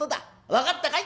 分かったかい？」。